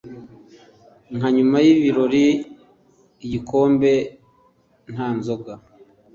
nka nyuma y'ibirori igikombe nta nzoga